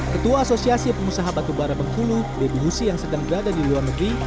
ketua asosiasi pengusaha batubara bengkulu debbie husi yang sedang berada di luar negeri